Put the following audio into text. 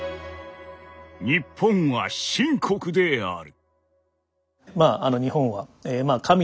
「日本は神国である」。